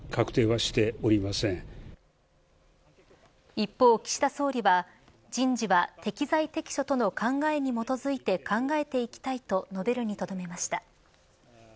一方、岸田総理は人事は適材適所との考えに基づいて考えていきたいと述べるにとどめました。